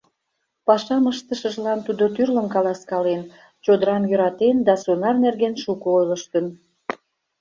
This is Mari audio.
Пашам ыштышыжлан тудо тӱрлым каласкален, чодырам йӧратен да сонар нерген шуко ойлыштын.